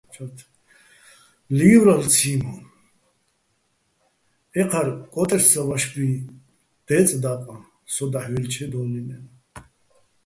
ლივრალო̆ ციმო: ეჴარ კო́ტერჩსაჼ ვაშბი დეწ და́ყაჼ სო დაჰ̦ ვაჲლჩედო́ლიჼ-ნაჲნო̆.